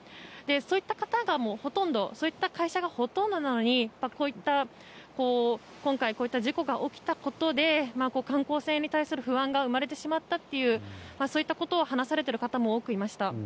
そういった方がほとんどそういった会社がほとんどなのに今回こういった事故が起きたことで観光船に対する不安が生まれてしまったというそういったことを話されている方も多くいました。